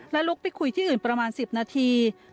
ลุกไปคุยที่อื่นประมาณ๑๐นาที